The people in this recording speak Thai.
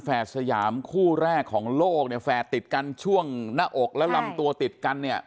สยามคู่แรกของโลกเนี่ยแฝดติดกันช่วงหน้าอกและลำตัวติดกันเนี่ย